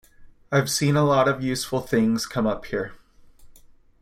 I've seen a lot of useful things come up here.